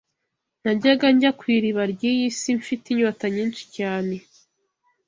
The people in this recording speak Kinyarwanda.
‘’Najyaga njya ku iriba ry’iyi si mfite inyota nyinshi cyane